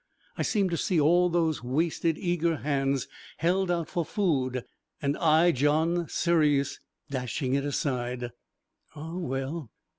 I seemed to see all those wasted eager hands held out for food, and I, John Sirius, dashing it aside. Ah, well!